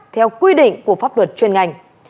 theo quy định của pháp luật chuyên ngành